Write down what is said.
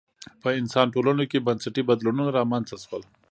په انسان ټولنو کې بنسټي بدلونونه رامنځته شول